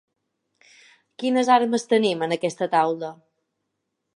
Quines armes tenim, en aquesta taula?